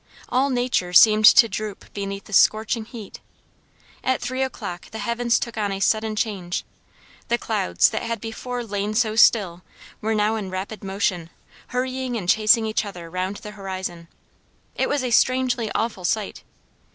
All nature seemed to droop beneath the scorching heat. At three o'clock the heavens took on a sudden change. The clouds, that had before lain so still, were now in rapid motion, hurrying and chasing each other round the horizon. It was a strangely awful sight.